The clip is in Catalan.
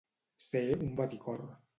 Ser un baticor.